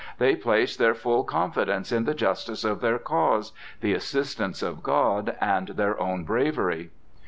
They placed their full confidence in the justice of their cause, the assistance of God, and their own bravery.